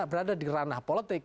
berada di ranah politik